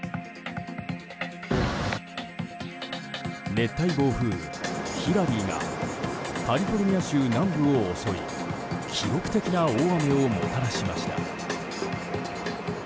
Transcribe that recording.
熱帯暴風雨、ヒラリーがカリフォルニア州南部を襲い記録的な大雨をもたらしました。